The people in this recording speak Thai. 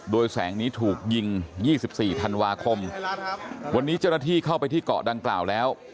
โดยแสงนี้ถูกยิง๒๔ธันวาคมวันนี้เจ้าหน้าที่เข้าไปที่เกาะดังกล่าวแล้ว